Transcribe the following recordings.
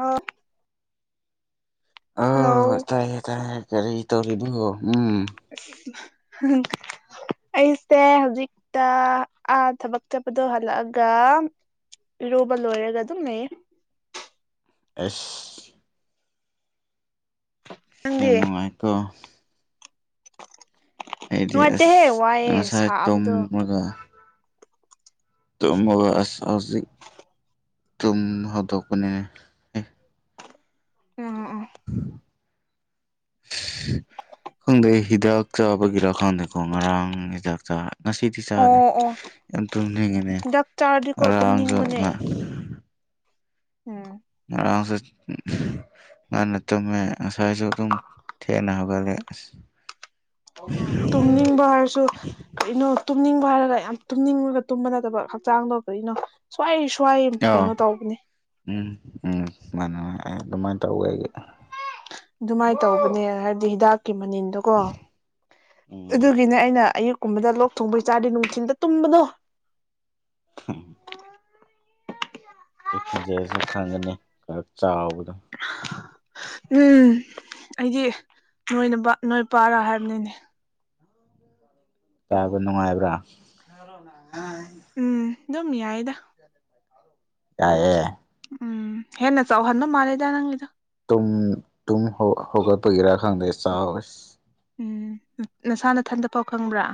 ꯑꯣ ꯑꯣ ꯇꯥꯏꯌꯦ ꯇꯥꯏꯌꯦ ꯀꯔꯤ ꯇꯧꯔꯤꯕꯣ [inaudible] ꯑꯩꯁꯦ ꯍꯧꯖꯤꯛꯇ ꯑꯥ ꯊꯕꯛ ꯆꯠꯄꯗꯣ ꯍꯜꯂꯛꯑꯒ ꯏꯔꯨꯕ ꯂꯣꯏꯔꯒ ꯑꯗꯨꯝ ꯂꯩꯌꯦ ꯑꯦꯁ ꯅꯪꯗꯤ ꯌꯥꯝ ꯅꯨꯡꯉꯥꯏꯀꯣ ꯑꯩꯗꯤ ꯅꯨꯡꯉꯥꯏꯇꯦꯍꯦ ꯑꯁ ꯋꯥꯏꯑꯦ ꯉꯁꯥꯏ ꯁꯥꯕꯗꯣ ꯇꯨꯝꯕꯗꯥ ꯇꯨꯝꯃꯒ ꯑꯁ ꯍꯧꯖꯤꯛ ꯇꯨꯝ ꯍꯧꯗꯣꯛ ꯄꯅꯦ ꯑꯦ ꯎꯝ ꯎꯝ ꯎꯝ ꯈꯪꯗꯦ ꯍꯤꯗꯥꯛ ꯆꯥꯕꯒꯤꯔ ꯈꯪꯗꯦꯀꯣ ꯉꯔꯥꯡ ꯍꯤꯗꯥꯛ ꯆꯥ ꯉꯁꯤꯗꯤ ꯆꯥꯔꯣꯏ ꯑꯣ ꯑꯣ ꯌꯥꯝ ꯇꯨꯝꯅꯤꯡꯉꯤꯅꯦ ꯍꯤꯗꯥꯛ ꯆꯥꯔꯗꯤꯀꯣ ꯑꯔꯥꯡꯁꯨ ꯇꯨꯝꯅꯤꯡꯕꯅꯦ ꯉꯥ ꯎꯝ ꯑꯔꯥꯡꯁꯨ ꯉꯟꯅ ꯇꯨꯝꯃꯦ ꯑꯁꯥꯏꯖꯨ ꯑꯗꯨꯝ ꯊꯦꯡꯅ ꯍꯧꯒꯜꯂꯦ ꯎ ꯇꯨꯝꯅꯤꯡꯕ ꯍꯥꯏꯔꯁꯨ ꯀꯩꯅꯣ ꯇꯨ ꯇꯨꯝꯅꯤꯡꯕ ꯍꯥꯏꯔꯒ ꯌꯥꯝ ꯇꯨꯝꯅꯤꯡꯉꯒ ꯇꯨꯝꯕ ꯅꯠꯇꯕ ꯍꯛꯆꯥꯡꯗꯣ ꯀꯔꯤꯅꯣ ꯁ꯭ꯋꯥꯏꯁ ꯁ꯭ꯋꯥꯏ ꯀꯩꯅꯣ ꯑꯧ ꯇꯧꯕꯅꯦ ꯎꯝ ꯎꯝ ꯃꯥꯅꯤ ꯃ ꯑꯗꯨꯃꯥꯏ ꯇꯧꯋꯦ ꯑꯩꯒꯤ ꯑꯗꯨꯃꯥꯏ ꯇꯧꯕꯅꯦ ꯍꯥꯏꯕꯗꯤ ꯍꯤꯗꯥꯛ ꯀꯤ ꯃꯅꯤꯟꯗꯣ ꯀꯣ ꯎꯝ ꯑꯗꯨꯒꯤꯅꯦ ꯑꯩꯅ ꯑꯌꯨꯛ ꯀꯨꯝꯕꯗ ꯂꯣꯛ ꯊꯨꯡꯕꯩ ꯆꯥꯗꯤ ꯅꯨꯡꯊꯤꯟꯗ ꯇꯨꯝꯕꯗꯣ [unintelligible] ꯑꯩ ꯈꯣꯟꯖꯦꯜꯁꯨ ꯈꯪꯒꯅꯤ ꯈ ꯆꯥꯎꯕꯗꯣ ꯎꯝ ꯑꯩꯗꯤ ꯅꯣꯏ ꯅꯕ ꯅꯣꯏ ꯄꯥꯔꯥ ꯍꯥꯏꯕꯅꯤꯅꯦ ꯀꯥꯕ ꯅꯨꯡꯉꯥꯏꯕ꯭ꯔꯥ ꯎꯝ ꯑꯗꯨꯝ ꯌꯥꯏꯗ ꯌꯥꯏꯌꯦ ꯎꯝ ꯍꯦꯅ ꯆꯧꯍꯟꯕ ꯃꯥꯂꯦꯗ ꯅꯪꯒꯤꯗꯨ ꯇꯨꯝ ꯇꯨꯝ ꯍꯧ ꯍꯧꯒꯠꯄꯒꯤꯔ ꯈꯪꯗꯦ ꯆꯥꯎꯋꯦ ꯎꯝ ꯅꯁꯥꯅꯊꯟꯗ ꯄꯥꯎ ꯈꯪꯕ꯭ꯔꯥ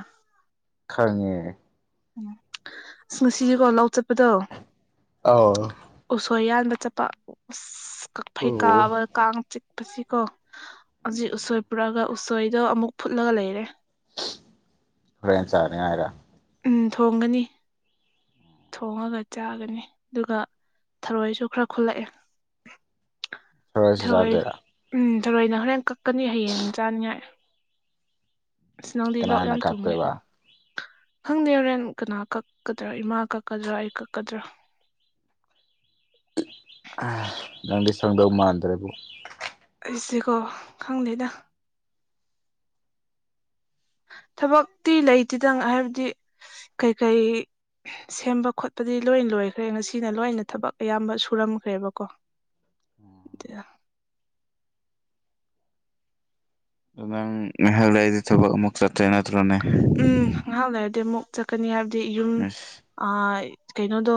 ꯈꯪꯉꯦ ꯎꯝ ꯑꯁ ꯅꯨꯡꯁꯤꯌꯦꯀꯣ ꯂꯧ ꯆꯠꯄꯗꯣ ꯑꯥꯎ ꯗ ꯆꯠꯄ ꯎꯑꯁ ꯀꯛꯐꯩ ꯑꯣ ꯀꯥꯕ ꯀꯥꯡ ꯆꯤꯛ ꯄꯁꯤ ꯀꯣ ꯍꯧꯖꯤꯛ ꯎꯁꯣꯏ ꯄꯨꯔꯛꯑꯒ ꯎꯁꯣꯏꯗꯣ ꯑꯃꯨꯛ ꯐꯨꯠꯂꯒ ꯂꯩꯔꯦ ꯍꯣꯔꯦꯟ ꯆꯥꯅꯤꯡꯉꯥꯏꯔ ꯎꯝ ꯊꯣꯡꯒꯅꯤ ꯊꯣꯡꯉꯒ ꯆꯥꯒꯅꯤ ꯑꯗꯨꯒ ꯊꯔꯣꯏꯁꯨ ꯈꯔ ꯈꯨꯜꯂꯛꯑꯦ ꯊꯥꯔꯣꯏꯁꯨ ꯊꯔꯣꯏ ꯆꯥꯗꯣꯏꯔ ꯎꯝ ꯊꯔꯣꯏꯅ ꯍꯣꯔꯦꯟ ꯀꯛꯀꯅꯤ ꯍꯌꯦꯡ ꯆꯥꯅꯤꯡꯉꯥꯏ ꯑꯁ ꯅꯪꯗꯤ ꯂꯣꯛ ꯀꯅꯥꯅ ꯌꯥꯝ ꯊꯨꯡꯉꯦ ꯀꯥꯛꯇꯣꯏꯕ ꯈꯪꯗꯦ ꯍꯣꯔꯦꯟ ꯀꯅꯥ ꯀꯛꯀꯗ꯭ꯔꯥ ꯏꯃꯥ ꯀꯛꯀꯗ꯭ꯔꯥ ꯑꯩ ꯀꯛꯀꯗ꯭ꯔꯥ [inaudible] ꯅꯪꯗꯤ ꯁꯪꯗꯧ ꯃꯥꯟꯗ꯭ꯔꯦꯕꯨ ꯏꯁꯤꯀꯣ ꯈꯪꯗꯦꯗ ꯊꯕꯛꯇꯤ ꯂꯩꯇꯦꯗ ꯍꯥꯏꯕꯗꯤ ꯀꯩꯀꯩ ꯁꯦꯝꯕ ꯈꯣꯠꯄꯗꯤ ꯂꯣꯏꯅ ꯂꯣꯏꯈ꯭ꯔꯦ ꯉꯁꯤꯅ ꯂꯣꯏꯅ ꯊꯕꯛ ꯑꯌꯥꯝꯕ ꯁꯨꯔꯝꯈ꯭ꯔꯦꯕꯀꯣ ꯏ ꯎꯝ ꯉꯍꯥꯛ ꯂꯩꯔꯗꯤ ꯊꯕꯛ ꯑꯃꯨꯛ ꯆꯠꯇꯨꯏ ꯅꯠꯇ꯭ꯔꯣꯅꯦ ꯎꯝ ꯉꯥꯏꯍꯥꯛ ꯂꯩꯔꯗꯤ ꯑꯃꯨꯛ ꯆꯠꯀꯅꯤ ꯍꯥꯏꯕꯗꯤ ꯌꯨꯝ ꯑꯁ ꯑ ꯀꯩꯅꯣꯗꯣ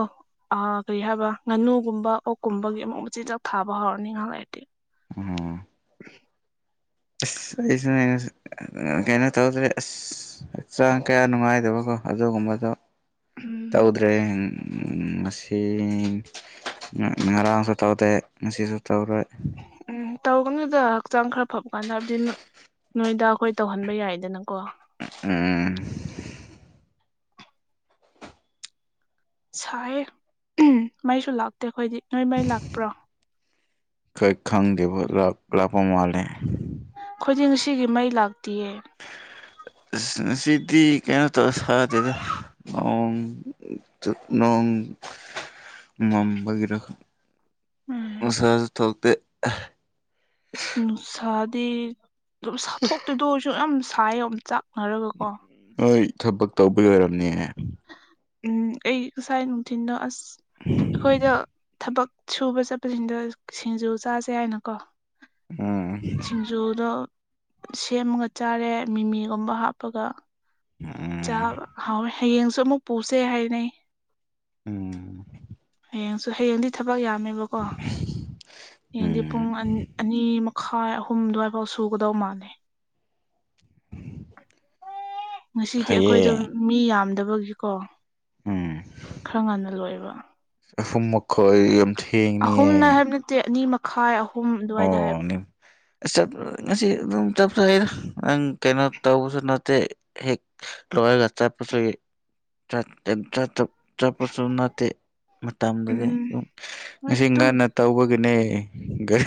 ꯑ ꯀꯔꯤ ꯍꯥꯏꯕ ꯉꯥꯅꯨꯒꯨꯝꯕ ꯑꯣꯛꯀꯨꯝꯕꯒꯤ ꯑꯃꯨꯛ ꯃꯆꯤꯟꯖꯥꯛ ꯊꯥꯕ ꯍꯧꯔꯅꯤ ꯉꯥꯏꯍꯥꯛ ꯂꯩꯔꯗꯤ ꯑ ꯑꯁ ꯑꯩꯁꯨꯅꯦ ꯀꯩꯅꯣ ꯇꯧꯗ꯭ꯔꯦ ꯑꯁ ꯍꯛꯆꯥꯡ ꯀꯌꯥ ꯅꯨꯡꯉꯥꯏꯗꯕꯀꯣ ꯑꯗꯨꯒꯨꯝꯕꯗꯣ ꯎꯝ ꯇꯧꯗ꯭ꯔꯦ ꯉꯁꯤ ꯉꯔꯥꯡꯁꯨ ꯇꯧꯗꯦ ꯉꯁꯤꯁꯨ ꯇꯧꯔꯣꯏ ꯎꯝ ꯇꯧꯒꯅꯨꯗ ꯍꯛꯆꯥꯡ ꯈꯔ ꯐꯕ ꯀꯥꯟꯗ ꯍꯥꯏꯕꯗꯤ ꯅꯣꯏꯗ ꯈꯣꯏ ꯇꯧꯍꯟꯕ ꯌꯥꯏꯗꯅꯀꯣ ꯑ ꯁꯥꯏꯌꯦ ꯃꯩꯁꯨ ꯂꯥꯛꯇꯦ ꯑꯩꯈꯣꯏꯗꯤ ꯅꯣꯏ ꯃꯩ ꯂꯥꯛꯄ꯭ꯔꯣ ꯀ ꯈꯪꯗꯦꯕꯣ ꯂꯥꯛ ꯂꯥꯛꯄ ꯃꯥꯂꯦ ꯑꯩꯈꯣꯏꯗꯤ ꯉꯁꯤꯒꯤ ꯃꯩ ꯂꯥꯛꯇꯌꯦ ꯁꯤꯗꯤ ꯀꯩꯅꯣ ꯇꯧ ꯁꯥ ꯌꯥꯗꯦꯗ ꯎ ꯅꯣꯡ ꯃꯝꯕꯒꯤꯔ ꯈꯪꯗꯦ ꯎꯝ ꯃꯁꯥꯖꯨ ꯊꯣꯛꯇ ꯑꯁ ꯅꯨꯡꯁꯥꯗꯤ ꯑꯗꯨꯝ ꯁꯥꯊꯣꯛꯇꯣꯏꯗ ꯑꯣꯏꯔꯁꯨ ꯌꯥꯝ ꯁꯥꯏꯌꯦ ꯑꯝꯇꯥꯛ ꯑꯔꯒꯀꯣ ꯍꯣꯏ ꯊꯕꯛ ꯇꯧꯕꯩ ꯑꯣꯏꯔꯝꯅꯦ ꯎꯝ ꯑꯩ ꯉꯁꯥꯏ ꯅꯨꯡꯊꯤꯟ ꯗ ꯑꯁ ꯑꯩꯈꯣꯏꯗ ꯊꯕꯛ ꯁꯨꯕ ꯆꯠꯄꯁꯤꯡꯗ ꯁꯤꯡꯖꯨ ꯆꯥꯁꯦ ꯍꯥꯏꯏꯅꯀꯣ ꯎꯝ ꯁꯤꯡꯖꯣꯗ ꯁꯦꯝꯃꯒ ꯆꯥꯔꯦ ꯃꯤꯃꯤꯒꯨꯝꯕ ꯍꯥꯞꯄꯒ ꯎꯝ ꯆꯥꯕ ꯍꯥꯎꯋꯦ ꯍꯌꯦꯡꯁꯨ ꯑꯃꯨꯛ ꯄꯨꯁꯦ ꯍꯥꯏꯅꯩ ꯎꯝ ꯍꯌꯦꯡꯁꯨ ꯍꯌꯦꯡꯗꯤ ꯊꯕꯛ ꯌꯥꯝꯃꯦꯕꯀꯣ ꯍꯌꯦꯡꯗꯤ ꯎꯝ ꯄꯨꯡ ꯑꯟ ꯑꯅꯤꯃ ꯈꯥꯏ ꯑꯍꯨꯝ ꯑꯗꯨꯋꯥꯏꯕꯧ ꯁꯨꯒꯗꯧ ꯃꯥꯜꯂꯦ ꯉꯁꯤꯗꯤ ꯐꯩꯌꯦ ꯑꯩꯈꯣꯏꯗꯣ ꯃꯤ ꯌꯥꯝꯗꯕꯒꯤꯀꯣ ꯎꯝ ꯈꯔ ꯉꯟꯅ ꯂꯣꯏꯕ ꯑꯍꯨꯝ ꯃꯈꯣꯏ ꯑꯍꯨꯝꯅ ꯊꯦꯡꯅꯤꯌꯦ ꯍꯥꯏꯕ ꯅꯠꯇꯦ ꯑꯅꯤ ꯃꯈꯥꯏ ꯑꯍꯨꯝ ꯑꯗꯨꯋꯥꯏꯗ ꯍꯥꯏꯕꯅꯤ ꯑ ꯆꯠꯂꯔꯣꯏ ꯉꯁꯤ ꯑꯗꯨꯝ ꯆꯠꯈ꯭ꯔꯒꯦꯗ ꯅꯪ ꯀꯩꯅꯣ ꯇꯧꯕꯁꯨ ꯅꯠꯇꯦ ꯍꯦꯛ ꯍꯣꯏꯅ ꯆꯠꯄꯁꯨꯒꯤ [unintelligible] ꯆꯠꯄꯁꯨ ꯅꯠꯇꯦ ꯃꯇꯝꯗꯗꯤ ꯎꯝ ꯍꯣꯏ ꯉꯁꯤ ꯑꯗꯨꯝ ꯉꯟꯅ ꯇꯧꯕꯒꯤ ꯅꯦ ꯒꯥꯔꯤ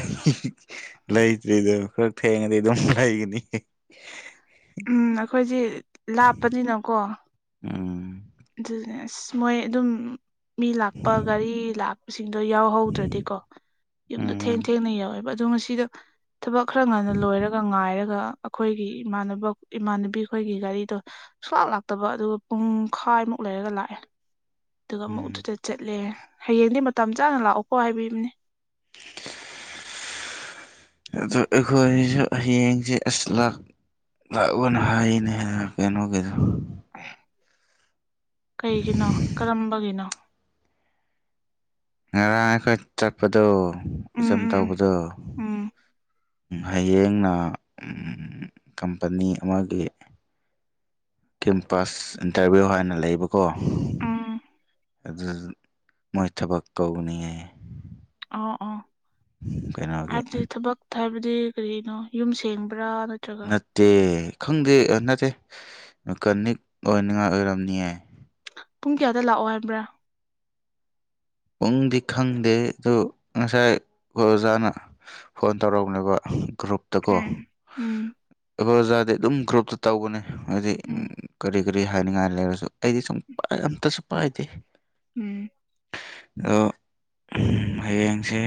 ꯂꯩꯇ꯭ꯔꯤꯗꯣ ꯈꯔ ꯊꯦꯡꯉꯗꯤ ꯑꯗꯨꯝ ꯂꯩꯒꯅꯤ ꯎꯝ ꯑꯩꯈꯣꯏꯖꯤ ꯂꯥꯞꯄꯅꯤꯅꯀꯣ ꯎꯝ ꯑꯗꯨꯅꯦ ꯑꯁ ꯃꯣꯏ ꯑꯗꯨꯝ ꯃꯤ ꯂꯥꯛꯄ ꯒꯥꯔꯤ ꯂꯥꯛꯄꯁꯤꯡꯗꯣ ꯌꯥꯎꯍꯧꯗ꯭ꯔꯗꯤꯀꯣ ꯌꯨꯝꯗꯣ ꯊꯦꯡ ꯎꯝ ꯊꯦꯡꯅ ꯌꯎꯋꯦꯕ ꯑꯗꯣ ꯉꯁꯤꯗꯣ ꯊꯕꯛ ꯈꯔ ꯉꯟꯅ ꯂꯣꯏꯔꯒ ꯉꯥꯏꯔꯒ ꯑꯗꯨꯝ ꯑꯈꯣꯏꯒꯤ ꯏꯃꯥꯟꯅꯕ ꯏꯃꯥꯟꯅꯕꯤ ꯈꯣꯏꯒꯤ ꯒꯥꯔꯤꯗꯣ ꯁꯨꯡꯂꯥꯛ ꯂꯥꯛꯇꯕ ꯑꯗꯨꯒ ꯄꯨꯡ ꯈꯥꯏꯃꯨꯛ ꯂꯩꯔꯒ ꯂꯥꯛꯑꯦ ꯑꯗꯨꯒ ꯑꯃꯨꯛ ꯎꯝ ꯑꯗꯨꯗ ꯆꯠꯂꯦ ꯍꯌꯦꯡꯗꯤ ꯃꯇꯝ ꯆꯥꯅ ꯂꯥꯛꯑꯣꯀꯣ ꯍꯥꯏꯕꯤꯕꯅꯦ ꯑꯗꯨ ꯑꯩꯈꯣꯏꯖꯨ ꯍꯌꯦꯡꯖꯦ ꯑꯁ ꯂꯥꯛ ꯂꯥꯛ ꯑꯣꯅ ꯍꯥꯏꯅꯦ ꯀꯩꯅꯣꯒꯤꯗꯣ ꯀꯩꯒꯤꯅꯣ ꯀꯔꯝꯕꯒꯤꯅꯣ ꯉꯔꯥꯡ ꯑꯩꯈꯣꯏ ꯆꯠꯄꯗꯣ ꯎꯝ [unintelligible] ꯎꯝ ꯇꯧꯕꯗꯣ ꯎꯝ ꯎꯝ ꯍꯌꯦꯡꯅ ꯀꯝꯄꯅꯤ ꯑꯃꯒꯤ ꯀꯦꯝꯄꯁ ꯏꯟꯇꯔꯚꯤꯌꯨ ꯍꯥꯏꯅ ꯂꯩꯕꯀꯣ ꯎꯝ ꯎꯝ ꯑꯗꯨ [unintelligible] ꯃꯣꯏ ꯊꯕꯛ ꯇꯧꯅꯤ ꯍꯥꯏꯌꯦ ꯑꯣ ꯑꯣ ꯎꯝ ꯀꯩꯅꯥꯒꯤ ꯍꯥꯏꯕꯗꯤ ꯊꯕꯛ ꯍꯥꯏꯕꯗꯤ ꯀꯔꯤꯅꯣ ꯌꯨꯝ ꯁꯦꯡꯕ ꯅꯠꯇꯦ ꯈꯪꯗꯦ ꯑ ꯅꯠꯇꯦ ꯃꯦꯀꯥꯅꯤꯛ ꯑꯣꯏꯅꯤꯡꯉꯥꯏ ꯑꯣꯏꯔꯝꯅꯤ ꯍꯥꯏ ꯄꯨꯡ ꯀꯌꯥꯗ ꯂꯥꯛꯑꯣ ꯍꯥꯏꯕ꯭ꯔ ꯄꯨꯡꯗꯤ ꯈꯪꯗꯦ ꯑꯗꯨ ꯉꯁꯥꯏ ꯑꯩꯈꯣꯏ ꯑꯣꯖꯥꯅ ꯐꯣꯟ ꯇꯧꯔꯛꯑꯕꯅꯦꯕ ꯒ꯭ꯔꯨꯞꯇꯀꯣ ꯎꯝ ꯎꯝ ꯑꯩꯈꯣꯏ ꯑꯣꯖꯥꯗꯤ ꯑꯗꯨꯝ ꯒ꯭ꯔꯨꯞꯇ ꯇꯧꯕꯅꯦ ꯍꯥꯏꯗꯤ ꯎꯝ ꯀꯔꯤ ꯀꯔꯤ ꯍꯥꯏꯅꯤꯡꯉꯥꯏ ꯂꯩꯔꯖꯨ ꯑꯩꯗꯤ ꯁꯨꯝ ꯄ ꯑꯝꯇꯁꯨ ꯄꯥꯏꯗꯦ ꯎꯝ ꯑꯗꯣ ꯍꯌꯦꯡꯁꯦ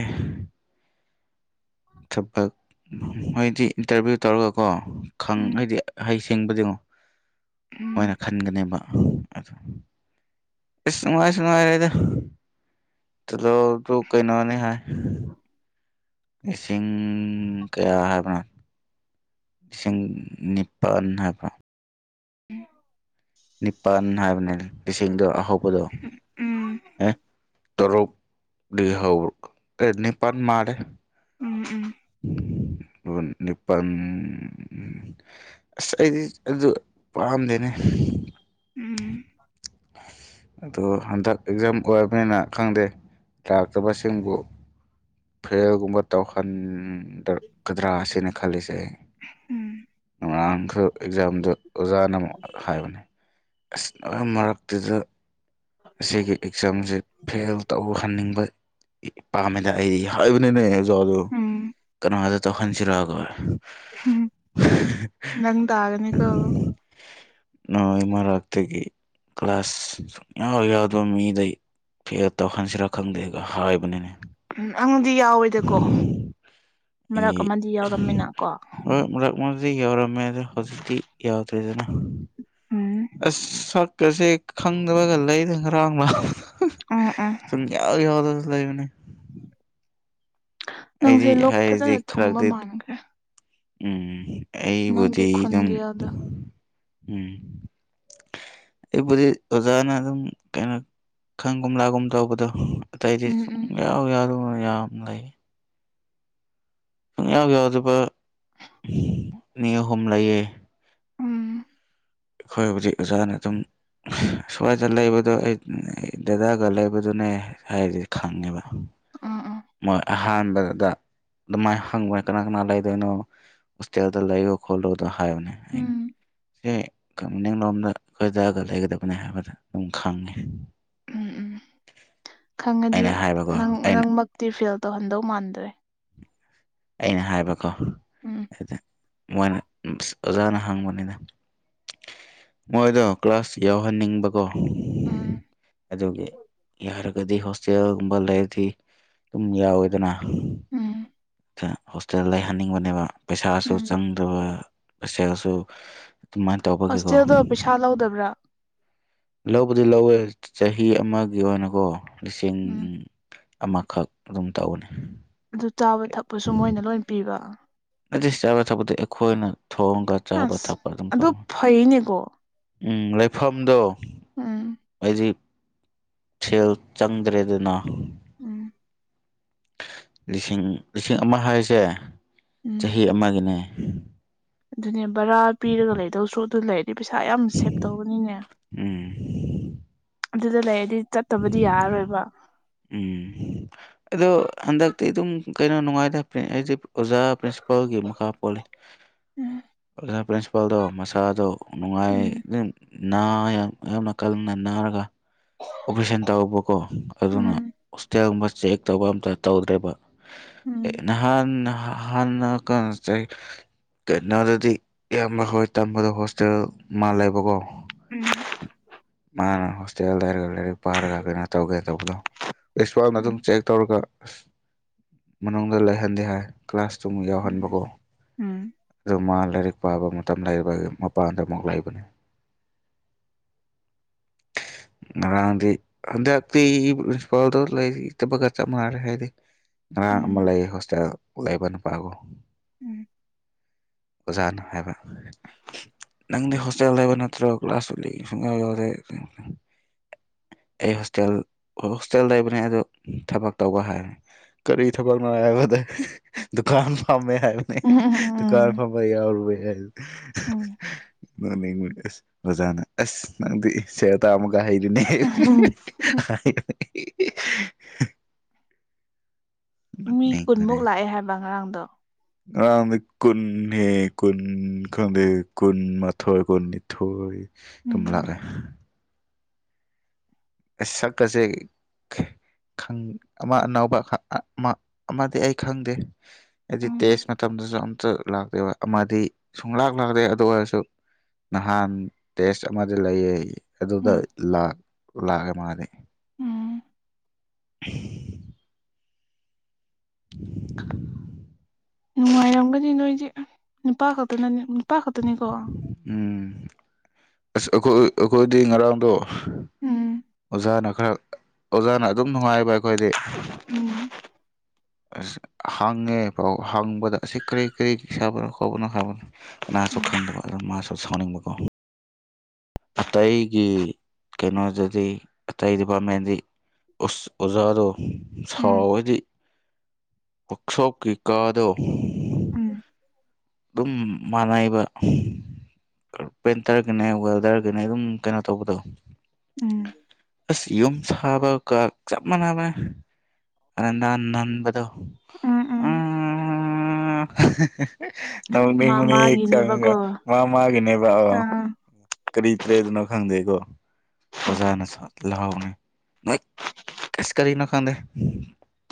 ꯊꯕꯛ ꯃꯣꯏꯗꯤ ꯏꯟꯇꯔꯚꯤꯌꯨ ꯇꯧꯔꯒꯀꯣ ꯈꯪ ꯎꯝ ꯍꯥꯏꯗꯤ ꯍꯩꯁꯦ ꯁꯤꯡꯕꯗꯤ ꯌꯦꯡꯉꯨ ꯃꯣꯏꯅ ꯎꯝ ꯈꯟꯒꯅꯤꯕ [inaudible] ꯏꯁ ꯅꯨꯡꯉꯥꯏꯁꯨ ꯅꯨꯡꯉꯥꯏꯔꯣꯏꯗ ꯇꯨꯂꯣꯞꯇꯨ ꯀꯩꯅꯣꯅꯤ ꯍꯥꯏ ꯂꯤꯁꯤꯡ ꯀꯌꯥ ꯍꯥꯏꯕꯅꯣ ꯂꯤꯁꯤꯡ ꯅꯤꯄꯥꯟ ꯍꯥꯏꯕ꯭ꯔꯣ ꯅꯤꯄꯜ ꯍꯥꯏꯕꯅꯤ ꯂꯤꯁꯤꯡꯗꯣ ꯑꯍꯧꯕꯗꯣ ꯎꯝ ꯑꯦ ꯇꯔꯨꯛ UNINTELLIGIBLE INAUDIBLE INAUDIBLE ꯅꯤꯄꯜ ꯑꯥꯁ ꯑꯩꯗꯤ ꯑꯗꯨ ꯄꯥꯝꯗꯦꯅꯦ INAUDIBLE ꯑꯥ ꯗꯣ ꯍꯥꯟꯗꯛ ꯑꯦꯛꯖꯥꯝ ꯂꯣꯏꯔꯕꯅꯤꯅ ꯈꯪꯗꯦ ꯂꯥꯛꯇꯕꯁꯤꯡꯕꯨ ꯐꯦꯌꯔꯒꯨꯝꯕ ꯇꯧꯍꯟ ꯗꯛꯀꯗ꯭ꯔꯥ ꯁꯤꯅꯦꯈꯜꯂꯤꯁꯦ ꯎꯝ ꯉꯥꯔꯥꯡꯈꯛ ꯑꯦꯛꯖꯥꯝꯗꯣ ꯑꯣꯖꯥꯅ ꯑꯃꯨꯛ ꯍꯥꯏꯕꯅꯤ ꯑꯥꯁ ꯑꯥꯃꯔꯛꯇꯨꯗ ꯑꯁꯤꯒꯤ ꯑꯦꯛꯖꯥꯝꯖꯦ ꯐꯦꯜ ꯇꯧꯍꯟꯅꯤꯡꯕ ꯑꯥ ꯄꯥꯝꯃꯦꯗ ꯑꯩ ꯍꯥꯏꯕꯅꯤꯅꯦ ꯎꯝ ꯀꯥꯅꯗ ꯇꯧꯍꯟ UNINTELLIGIBLE ꯎꯝ ꯅꯪ ꯇꯥꯒꯅꯤꯀꯣ ꯅꯣꯏ ꯃꯔꯛꯇꯒꯤ ꯀ꯭ꯂꯥꯁ ꯌꯥꯎ- ꯌꯥꯎꯗꯕ ꯃꯤꯗꯩ ꯐꯦꯜ ꯇꯧꯍꯟꯁꯤꯔꯥ ꯈꯪꯗꯦꯒ ꯍꯥꯏꯕꯅꯤꯅꯦ ꯎꯝ ꯑꯪꯗꯤ ꯌꯥꯎꯋꯦꯗꯀꯣ ꯃꯔꯛ ꯑꯩ ꯑꯃꯗꯤ ꯌꯥꯎꯔꯝꯃꯤꯅ ꯀꯣ ꯃꯔꯛ ꯃꯔꯛ- ꯃꯔꯛꯇꯗꯤ ꯌꯥꯎꯔꯝꯃꯦꯗ ꯍꯧꯖꯤꯛꯇꯤ ꯌꯥꯎꯗ꯭ꯔꯦ ꯗꯦꯗꯅꯥ ꯎꯝ ꯎꯝ ꯁꯨꯝ ꯌꯥꯎ -ꯌꯥꯎꯗꯖꯨ ꯂꯩꯕꯅꯦ ꯑꯩꯗꯤ ꯅꯪꯖꯦ ꯂꯣꯛ ꯐꯖꯅ ꯊꯨꯡꯕ ꯃꯥꯟꯒ꯭ꯔꯦ ꯎꯪꯝ ꯑꯩꯕꯨꯗꯤ ꯑꯗꯨꯝ ꯈꯣꯟꯖꯦꯜꯗꯣ ꯎꯝ ꯑꯩꯕꯨꯗꯤ ꯑꯣꯖꯥꯅ ꯑꯗꯨꯝ ꯀꯩꯅꯣ ꯈꯪꯒꯨꯝ- ꯂꯥꯛꯒꯨꯝ ꯇꯧꯕꯗꯣ ꯑꯇꯩꯗꯤ ꯎꯝ ꯎꯝ ꯁꯨꯝꯌꯥꯎ ꯌꯥꯎꯗꯅ ꯌꯥꯝ ꯂꯩ ꯁꯨꯝꯌꯥꯎ ꯌꯥꯎꯗꯕ ꯅꯤ ꯑꯍꯨꯝ ꯂꯩꯌꯦ ꯎꯝ ꯑꯩꯈꯣꯏ ꯍꯧꯖꯤꯛ ꯑꯣꯖꯥꯅꯑꯗꯨꯝ ꯁ꯭ꯋꯥꯏꯗ ꯂꯩꯕꯗꯣ ꯑꯩ ꯗꯗꯥꯒ ꯂꯩꯕꯗꯨꯅꯦ ꯍꯥꯏꯕꯗꯤ ꯈꯪꯉꯦꯕ ꯑꯪꯑꯣ ꯃꯣꯏ ꯑꯍꯥꯟꯕꯗꯒ ꯑꯗꯨꯃꯥꯏꯅ ꯍꯪꯕ ꯃꯣꯏ ꯀꯅꯥ ꯀꯅꯥ ꯂꯩꯗꯣꯏꯅꯣ ꯍꯣꯁꯇꯦꯜꯗ ꯂꯩꯌꯣ-ꯈꯣꯠꯂꯣꯗ ꯍꯥꯏꯕꯅꯦ ꯑꯩꯅ ꯎꯝ ꯑꯦ ꯃꯨꯅꯤꯡ ꯂꯣꯝꯗ ꯈꯣꯏꯗꯥꯒ ꯂꯩꯒꯗꯕꯅꯤ ꯍꯥꯏꯕꯗ ꯑꯗꯨꯝ ꯈꯪꯉꯦ ꯎꯪ ꯎꯪ ꯈꯪꯉꯗꯤ ꯑꯩꯅ ꯍꯥꯏꯕꯀꯣ ꯅꯪ ꯑꯩꯅ ꯃꯔꯛꯃꯛ ꯇꯤꯐꯦꯜ ꯇꯧꯍꯟꯗꯧ ꯃꯥꯟꯗ꯭ꯔꯦ ꯑꯩꯅ ꯍꯥꯏꯕꯀꯣ ꯎꯝ ꯑꯗꯨꯗꯃꯣꯏꯅ ꯑꯣꯖꯥꯅꯥꯍꯪꯕꯅꯤꯅ ꯃꯣꯏꯗꯣ ꯀ꯭ꯂꯥꯁꯌꯥꯎꯍꯟꯅꯤꯡꯕ ꯀꯣ ꯎꯝ ꯑꯗꯨꯒꯤ ꯌꯥꯔꯒꯗꯤ ꯍꯣꯁꯇꯦꯜꯒꯨꯝꯕ ꯂꯩꯔꯗꯤ ꯑꯗꯨꯝ ꯌꯥꯎꯋꯤꯗꯅ ꯎꯪ ꯍꯣꯁꯇꯦꯜ ꯂꯩꯍꯟꯅꯤꯡꯕꯅꯦꯕ ꯄꯩꯁꯥꯁꯨ ꯎꯝ ꯆꯪꯗꯕ ꯁꯦꯜꯁꯨ ꯑꯗꯨꯃꯥꯏ ꯇꯧꯕꯒꯤꯀꯣ ꯍꯣꯁꯇꯦꯜꯗꯣ ꯄꯩꯁꯥ ꯂꯧꯗꯕ꯭ꯔꯥ ꯂꯧꯕꯗꯤ-ꯂꯧꯋꯦ ꯆꯍꯤ ꯑꯃꯒꯤ ꯑꯣꯏꯅꯀꯣ ꯂꯤꯁꯤꯡ ꯎꯝ ꯑꯃꯈꯛ ꯑꯗꯨꯝꯇꯧꯒꯅꯤ ꯑꯗꯨ ꯆꯥꯕ- ꯊꯛꯄꯁꯨ ꯃꯣꯏꯅ ꯂꯣꯏ ꯄꯤꯕ ꯗꯤꯁ ꯆꯥꯕ-ꯊꯛꯄꯗꯤ ꯑꯩꯈꯣꯏꯅ ꯊꯣꯡꯒ ꯆꯥꯕ ꯑꯁ ꯊꯛꯄ ꯑꯗꯨꯝ ꯑꯗꯨ ꯇꯧꯅꯤ ꯐꯩꯅꯦꯀꯣ ꯎꯪ ꯂꯩꯐꯝꯗꯣ ꯎꯝ ꯑꯩꯗꯤ ꯁꯦꯜ ꯆꯪꯗ꯭ꯔꯦꯗꯅ ꯎꯝ ꯂꯤꯁꯤꯡ ꯂꯤꯁꯤꯡ ꯑꯃ ꯍꯥꯏꯁꯦ ꯎꯝ ꯆꯍꯤ ꯑꯃꯒꯤꯅꯦ ꯎꯝ ꯑꯗꯨꯅꯦ ꯕꯔꯥ ꯄꯤꯔꯒ ꯂꯩꯗꯧꯁꯨ ꯑꯗꯨ ꯂꯩꯔ ꯄꯩꯁꯥ ꯌꯥꯝ ꯁꯦꯚ ꯇꯧꯕꯅꯤꯅꯦ ꯎꯝ ꯑꯗꯨꯗ ꯂꯩꯔꯗꯤ ꯆꯠꯇꯕꯗꯤ ꯌꯥꯔꯣꯏꯕ ꯎꯝ ꯑꯗꯣ ꯍꯟꯗꯛꯇꯤ ꯑꯗꯨꯝ ꯀꯩꯅꯣ ꯅꯨꯡꯉꯥꯏꯇ ꯑꯩꯁꯦ ꯑꯣꯖꯥ ꯄ꯭ꯔꯤꯟꯁꯤꯄꯥꯜꯒꯤ ꯃꯈꯥ ꯄꯣꯜꯂꯤ ꯎꯝ ꯑꯣꯖꯥ ꯄ꯭ꯔꯤꯟꯁꯤꯄꯥꯜꯗ ꯃꯁꯥꯗꯣ ꯅꯨꯡꯉꯥꯏ ꯎꯝ ꯑꯗꯨ ꯅꯥ ꯌꯥꯝ ꯌꯥꯝ ꯅꯥꯀꯜꯅ ꯅꯥꯔꯒ ꯑꯣꯄꯔꯦꯁꯟ ꯇꯧꯕꯀꯣ ꯑꯗꯨꯅ ꯎꯝ ꯍꯣꯁꯇꯦꯜꯒꯨꯝꯕ ꯆꯦꯛ ꯇꯧꯕ ꯑꯝꯇ ꯇꯧꯗ꯭ꯔꯦꯕ ꯎꯝ ꯅꯍꯥꯟ ꯍꯍꯥꯟꯅ ꯀ ꯆ ꯀꯩꯅꯣꯗꯗꯤ ꯏꯌꯥꯝꯕ ꯍꯣꯏ ꯇꯝꯕꯗꯣ ꯍꯣꯁꯇꯦꯜ ꯃꯥꯜꯂꯦꯕꯀꯣ ꯎꯝ ꯍꯥꯟꯅ ꯍꯣꯁꯇꯦꯜꯗ ꯂꯩꯔꯒ ꯂꯥꯏꯔꯤꯛ ꯄꯥꯔꯒ ꯀꯩꯅꯣ ꯇꯧꯒꯦ ꯇꯧꯕꯗꯣ ꯄ꯭ꯔꯤꯟꯁꯤꯄꯥꯜꯅ ꯑꯗꯨꯝ ꯎꯝ ꯆꯦꯛ ꯇꯧꯔꯒ ꯑꯁ ꯃꯅꯨꯡꯗ ꯂꯩꯍꯟꯗꯦ ꯍꯥꯏ ꯀ꯭ꯂꯥꯁ ꯁꯨꯝ ꯎꯝ ꯌꯥꯎꯍꯟꯕꯀꯣ ꯎꯝ ꯑꯗꯨ ꯃꯥꯂ ꯂꯥꯏꯔꯤꯛ ꯄꯥꯕ ꯃꯇꯝ ꯂꯩꯕ ꯃꯄꯥꯟꯗ ꯑꯃꯨꯛ ꯂꯩꯕꯅꯤ [inaudible] ꯉꯔꯪꯗꯤ ꯍꯟꯇꯛꯇꯤ ꯄꯔꯤꯟꯁꯤꯄꯥꯜ ꯗꯣ ꯂꯩꯇꯕꯒꯥ ꯆꯞ ꯃꯅꯔꯦ ꯍꯥꯏꯗꯤ ꯎꯝ ꯉꯔꯥꯡ ꯑꯃ ꯎꯝ ꯂꯩ ꯍꯣꯁꯇꯦꯜ ꯂꯩꯕ ꯅꯨꯄꯥꯒ ꯎꯝ ꯑꯣꯖꯥꯅ ꯍꯥꯏꯕ ꯅꯪꯗꯤ ꯍꯣꯁꯇꯦꯜ ꯂꯩꯕ ꯅꯠꯇ꯭ꯔꯣ ꯀ꯭ꯂꯥꯁ ꯑꯩ ꯍꯣꯁꯇꯦꯜ ꯍꯣꯁꯇꯦꯜꯗ ꯂꯩꯕꯅꯦ ꯑꯗꯨ ꯊꯕꯛ ꯇꯧꯕ ꯍꯥꯏꯔꯦ ꯀꯔꯤ ꯊꯕꯛꯅꯣ ꯍꯥꯏꯕꯗ ꯗꯨꯀꯥꯟ ꯐꯝꯃꯦ [unintelligible] ꯎꯝ ꯎꯝ ꯎꯝ ꯑꯣꯖꯥꯅ ꯑꯁ ꯅꯪꯗꯤ ꯁꯦꯟ ꯇꯥꯟꯕꯀꯥ ꯍꯩ ꯎꯝ [unintelligible] ꯃꯤ ꯅꯣꯛꯅꯤꯡꯕꯅꯦ ꯀꯨꯟꯃꯨꯛ ꯂꯥꯛꯑꯦ ꯍꯥꯏꯕ ꯉꯔꯥꯡꯗꯣ ꯉꯔꯥꯡꯗꯤ ꯀꯨꯟ ꯍꯦ ꯀꯨꯟ ꯈꯪꯗꯦ ꯀꯨꯟꯃꯥꯊꯣꯏ ꯀꯨꯟꯅꯤꯊꯣꯏ ꯎꯝ ꯇꯨꯝꯂꯥꯛꯑꯦ ꯁꯛꯀꯁꯦ ꯑꯃ ꯑꯅꯧꯕ ꯑꯃꯗꯤ ꯑꯩ ꯈꯪꯗꯦ ꯍꯥꯏꯗꯤ ꯇꯦꯁ ꯎꯝ ꯃꯇꯝ ꯁꯨ ꯑꯝꯇ ꯂꯥꯛꯇꯦꯕ ꯑꯃꯗꯤ ꯁꯨꯡꯂꯥꯛ ꯂꯥꯛꯇꯦ ꯑꯗꯨ ꯑꯣꯏꯔꯁꯨ ꯅꯍꯥꯟ ꯇꯦꯁ ꯑꯃꯗꯤ ꯂꯩꯌꯦ ꯑꯗꯨꯗ ꯎꯝ ꯂꯛ ꯂꯥꯛꯑꯦ ꯃꯥꯗꯤ ꯎꯝ [inaudible] [unintelligible] ꯅꯨꯡꯉꯥꯏꯔꯝꯒꯅꯤ ꯅꯣꯏꯗꯤ ꯅꯨꯄꯥ ꯈꯛꯇꯅ ꯅꯨꯄꯥ ꯈꯛꯇꯅꯤꯀꯣ ꯎꯝ ꯑꯁ ꯑꯩꯈꯣꯏ ꯑꯩꯈꯣꯏꯗꯤ ꯉꯔꯥꯡꯗꯣ ꯎꯝ ꯑꯣꯖꯥꯅ ꯈꯔ ꯑꯣꯖꯥꯅ ꯑꯗꯨꯝ ꯅꯨꯡꯉꯥꯏꯕ ꯑꯩꯈꯣꯏꯗꯤ ꯎꯝ ꯑꯁ ꯍꯪꯉꯦ ꯄꯥꯎ ꯍꯥꯡꯕꯗ ꯑꯁꯤ ꯀꯔꯤ ꯀꯔꯤ ꯁꯥꯕꯅꯣ ꯈꯣꯕꯅꯣ ꯍꯥꯏꯕꯅꯣ ꯉꯅꯥꯁꯨ ꯈꯪꯗꯕ ꯑꯗꯨ ꯃꯥꯁꯨ ꯁꯥꯎꯅꯤꯡꯕꯀꯣ ꯑꯇꯩꯒꯤ ꯀꯩꯅꯣꯗꯗꯤ ꯑꯇꯩ ꯗꯤꯄꯥꯝꯃꯦꯟꯗꯤ ꯎꯁ ꯑꯣꯖꯥꯗꯣ ꯁꯥꯎ ꯎꯝ ꯍꯥꯏꯗꯤ ꯄꯣꯛꯁꯣꯞꯀꯤ ꯀꯥꯗꯣ ꯎꯝ ꯗꯨꯝ ꯃꯥꯟꯅꯩꯕ ꯀꯔꯄꯦꯟꯇꯔꯒꯅꯦ ꯋꯦꯜꯗꯔꯒꯅꯦ ꯑꯗꯨꯝ ꯀꯩꯅꯣ ꯇꯧꯕꯗꯣ ꯎꯝ ꯑꯁ ꯌꯨꯝ ꯁꯥꯕꯀ ꯆꯞ ꯃꯥꯟꯅꯕꯅꯦ ꯑꯅꯥꯟ ꯅꯥꯟꯕꯗꯣ ꯎꯝ ꯎꯝ [unintelligible] ꯃꯥ ꯅꯣꯛꯅꯤꯡꯕꯅꯦ ꯍꯦꯛ ꯆꯪꯉꯒ ꯃꯥꯒꯤꯅꯦꯕꯀꯣ ꯃꯥ ꯃꯥꯒꯤꯅꯦꯕ ꯑꯣ ꯑꯥ ꯀꯔꯤ ꯇ꯭ꯔꯦꯗꯅꯣ ꯈꯪꯗꯦꯒꯣ ꯑꯣꯖꯥꯅ ꯁ ꯂꯥꯎꯕꯅꯦ ꯅꯣꯏ ꯀꯁ ꯀꯔꯤꯅꯣ ꯈꯪꯗꯦ